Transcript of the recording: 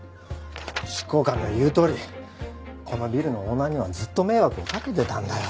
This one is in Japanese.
執行官の言うとおりこのビルのオーナーにはずっと迷惑をかけてたんだよ。